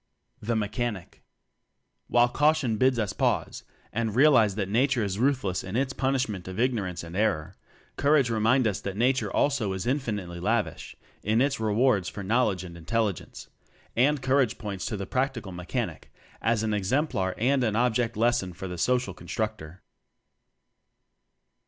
The Mechanic. While caution bids us pause and realize that Nature is ruthless in its punishment of ignorance and error, courage reminds us that Nature also is infinitely lavish in its rewards for knowledge and intelligence; and cour age points to the Practical Mechanic as an exemplar and an object lesson for the Social Constructor.